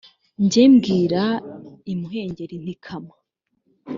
jye mbwira imuhengeri nti kama